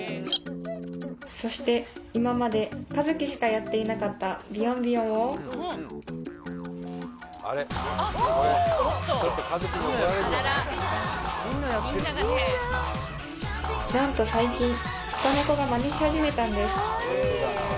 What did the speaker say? そして今までカヅキしかやっていなかったビヨンビヨンを何と最近他の子がマネし始めたんです